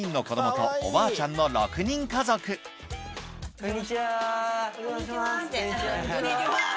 こんにちは！